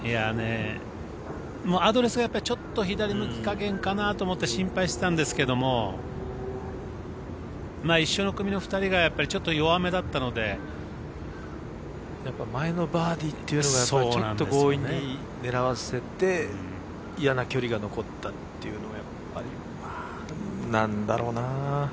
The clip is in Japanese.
アドレスがやっぱちょっと左抜き加減かなと思って心配してたんですけど一緒の組の２人がちょっと弱めだったのでやっぱ前のバーディーというのがちょっと強引に狙わせて嫌な距離が残ったっていうのはやっぱり、何だろうな。